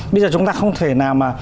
bây giờ chúng ta không thể nào mà